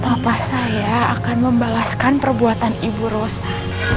bapak saya akan membalaskan perbuatan ibu rosa